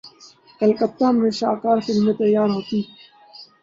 کلکتہ میں شاہکار فلمیں تیار ہوتیں۔